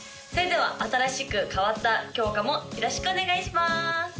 それでは新しく変わったきょうかもよろしくお願いします！